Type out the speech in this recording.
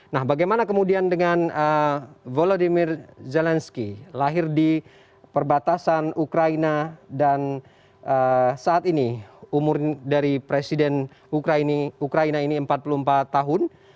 nah bagaimana kemudian dengan volodymyr zelensky lahir di perbatasan ukraina dan saat ini umur dari presiden ukraina ini empat puluh empat tahun